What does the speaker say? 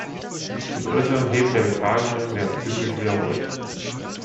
Die größeren Themen der Befragungen werden zyklisch wiederholt.